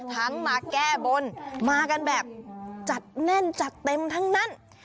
ทั้งมาแก้บนมากันแบบจัดแน่นจัดเต็มทั้งนั้น